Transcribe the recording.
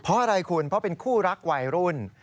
เพราะอะไรคุณเพราะเป็นคู่รักวัยรุ่น